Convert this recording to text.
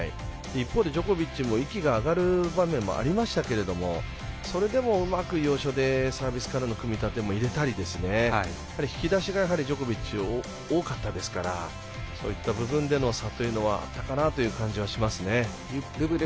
一方でジョコビッチも息が上がる場面もありましたけれどもそれでも、うまく要所でサービスからの組み立てを入れたり引き出しがジョコビッチは多かったですからそういった部分での差というのはあったかなと。